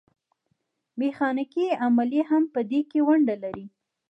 میخانیکي عملیې هم په دې کې ونډه لري.